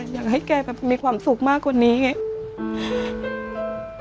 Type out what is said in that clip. อยากให้แกแบบมีความสุขมากกว่านี้ไง